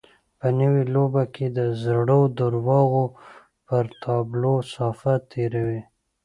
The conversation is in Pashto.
په نوې لوبه کې د زړو درواغو پر تابلو صافه تېروي.